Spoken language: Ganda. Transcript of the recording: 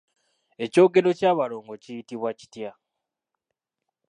Ekyogero ky'abalongo kiyitibwa kitya?